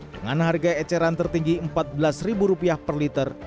dengan harga eceran tertinggi rp empat belas per liter